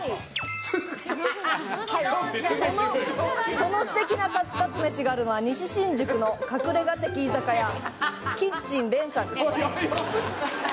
そのすてきなカツカツ飯があるのは西新宿の隠れが的居酒屋キッチン蓮さんです。